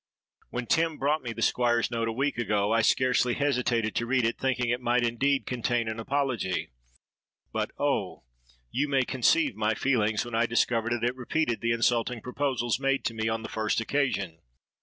When Tim brought me the Squire's note, a week ago, I scarcely hesitated to read it, thinking that it might indeed contain an apology. But, oh! you may conceive my feelings, when I discovered that it repeated the insulting proposals made to me on the first occasion.